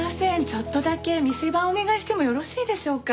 ちょっとだけ店番お願いしてもよろしいでしょうか？